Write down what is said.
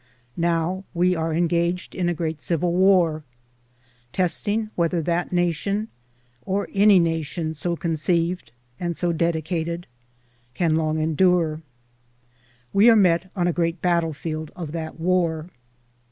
Now we are engaged in a great civil war. . .testing whether that nation, or any nation so conceived and so dedicated. .. can long endure. We are met on a great battlefield of that war.